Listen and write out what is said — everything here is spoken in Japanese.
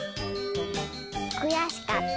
くやしかった。